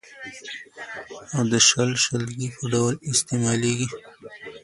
او د شل، شلګي په ډول استعمالېږي.